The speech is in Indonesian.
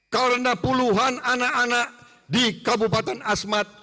karena puluhan anak anak di kabupaten asmat